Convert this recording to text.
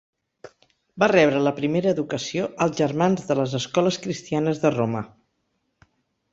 Va rebre la primera educació als germans de les Escoles Cristianes de Roma.